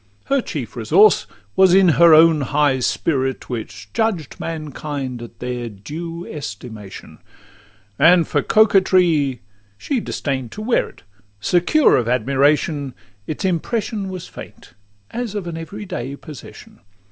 Her chief resource was in her own high spirit, Which judged mankind at their due estimation; And for coquetry, she disdain'd to wear it: Secure of admiration, its impression Was faint, as of an every day possession.